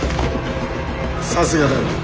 さすがだな。